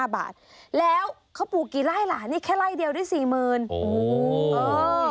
๒๕บาทแล้วคบปูกกี่ไล่หล่านี่แค่ไล่เดียวได้สี่หมื่นโห